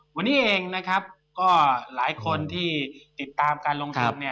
วันนี้เองนะครับก็หลายคนที่ติดตามการลงทุนเนี่ย